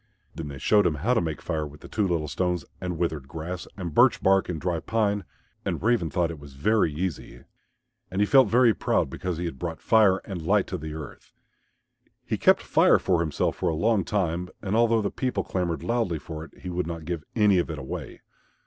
Then they showed him how to make Fire with the two little stones and withered grass, and birch bark and dry pine, and Raven thought it was very easy. And he felt very proud because he had brought Fire and Light to the earth. He kept Fire for himself for a long time, and although the people clamoured loudly for it, he would not give any of it away.